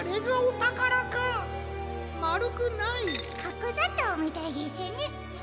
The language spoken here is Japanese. かくざとうみたいですね。